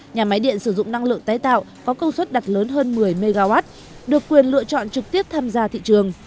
nhà máy điện sử dụng năng lượng tái tạo có công suất đặt lớn hơn một mươi mw được quyền lựa chọn trực tiếp tham gia thị trường